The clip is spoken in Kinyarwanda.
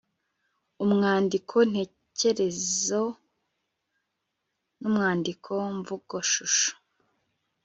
umwandiko ntekerezo n'umwandiko mvugoshusho